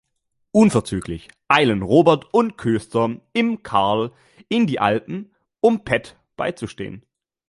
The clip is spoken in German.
Unverzüglich eilen Robert und Köster im "Karl" in die Alpen, um Pat beizustehen.